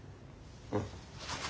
うん。